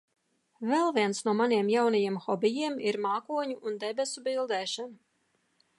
Vēl viens no maniem jaunajiem hobijiem ir mākoņu un debesu bildēšana.